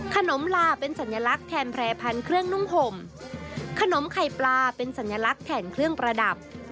ลาเป็นสัญลักษณ์แทนแพร่พันธุ์เครื่องนุ่มห่มขนมไข่ปลาเป็นสัญลักษณ์แทนเครื่องประดับ